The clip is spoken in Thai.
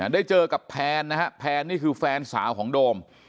ได้เจอกับแพนนะฮะแพนนี่คือแฟนสาวของโดม